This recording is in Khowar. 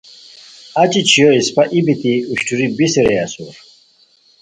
اچی چھویو اسپہ ای بیتی اوشٹوری بیسی را اسور